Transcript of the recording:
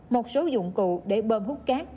một số dụng cụ để bơm hút cát